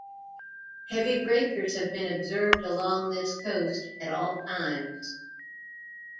Heavy breakers have been observed along this coast at all times.